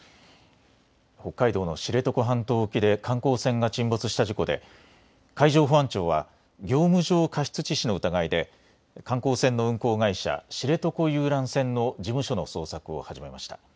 北海道の知床半島沖で観光船が沈没した事故で海上保安庁は業務上過失致死の疑いで観光船の運航会社、知床遊覧船の事務所の捜索を始めました。